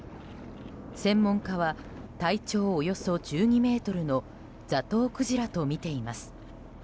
専門家は、体長およそ１２ｍのザトウクジラとみています。